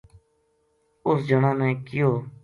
اُس جنا نے کہیو